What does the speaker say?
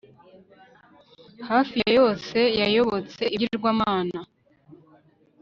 hafi ya yose yayobotse ibigirwamana